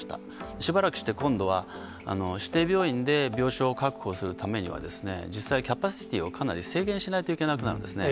しばらくして今度は、指定病院で病床を確保するためには、実際、キャパシティーをかなり制限しないといけなくなるんですね。